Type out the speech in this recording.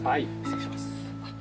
失礼します